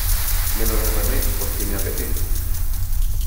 Me lo derramé porque me apetece.